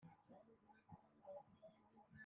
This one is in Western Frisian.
Sintrearje de foarige seis rigen.